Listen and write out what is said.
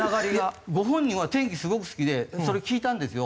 ご本人は天気すごく好きでそれ聞いたんですよ。